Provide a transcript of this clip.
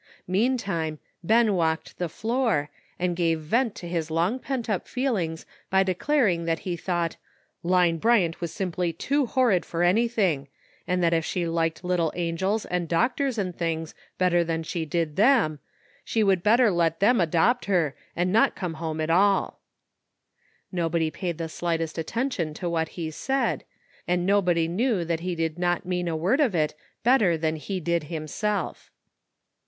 Meantime, Ben walked the floor, and gave vent to his long pent up feelings by declaring that he thought '' Line Bryant was simply too horrid for anything, and that if she liked little angels and doctors and things better THE UNEXPECTED HAPPENS. 187 ihan she did them, she would better let them adopt her and not come home at all." Nobody paid the slightest attention to what he said, and nobody knew that he did not mean a word of it better than he did himself.